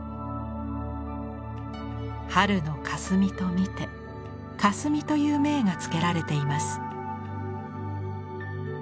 春の霞と見て「かすみ」という銘が付けられています。